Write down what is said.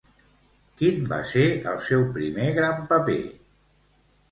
Quin va ser el seu primer gran paper?